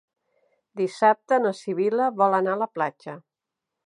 Dissabte na Sibil·la vol anar a la platja.